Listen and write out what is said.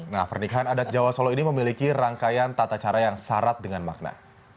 nah pernikahan adat jawa solo ini memiliki rangkaian tata cara yang syarat dengan makna